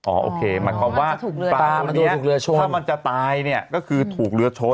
โอเคหมายความว่าปลาเนี่ยถ้ามันจะตายเนี่ยก็คือถูกเรือชน